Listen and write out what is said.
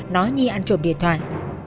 nói nhi ăn trộm điện thoại